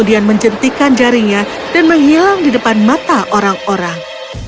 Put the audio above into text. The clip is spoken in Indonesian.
dia menjentikan jarinya dan menghilang di depan mata orang orang